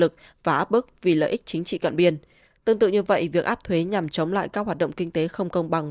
tương tự như vậy việc áp thuế nhằm chống lại các hoạt động kinh tế không công bằng